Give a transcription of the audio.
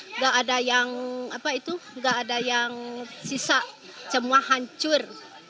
nggak ada yang apa itu nggak ada yang sisa semua hancur